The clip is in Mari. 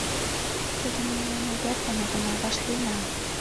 Тудым эмлыме вер дене гына вашлийынам.